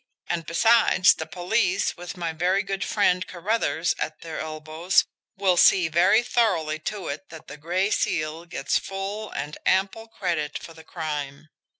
And, besides, the police, with my very good friend, Carruthers at their elbows, will see very thoroughly to it that the Gray Seal gets full and ample credit for the crime.